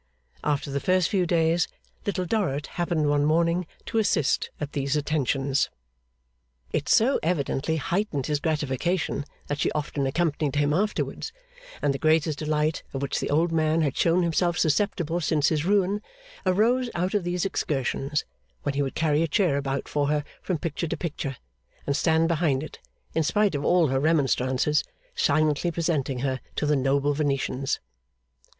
After the first few days, Little Dorrit happened one morning to assist at these attentions. It so evidently heightened his gratification that she often accompanied him afterwards, and the greatest delight of which the old man had shown himself susceptible since his ruin, arose out of these excursions, when he would carry a chair about for her from picture to picture, and stand behind it, in spite of all her remonstrances, silently presenting her to the noble Venetians.